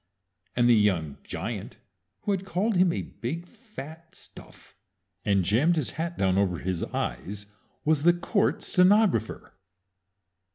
And the young giant who had called him a big, fat stuff, and jammed his hat down over his eyes, was the court stenographer!